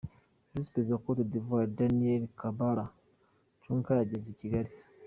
Visi Perezida wa Côte d’Ivoire, Daniel Kablan Duncan yageze i Kigali .